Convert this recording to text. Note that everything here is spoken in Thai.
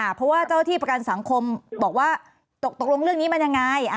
เพราะว่าเจ้าที่ประกันสังคมบอกว่าตกลงเรื่องนี้มันยังไง